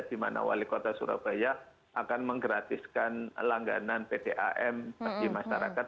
di mana wali kota surabaya akan menggratiskan langganan pdam bagi masyarakat